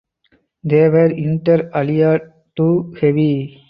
They were "inter alia" too heavy.